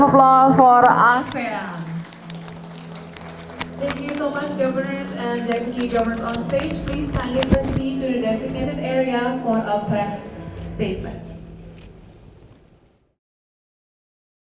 karena kami akan mengambil foto bersama dengan signature asean pose kami